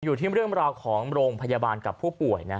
อยู่ที่เรื่องราวของโรงพยาบาลกับผู้ป่วย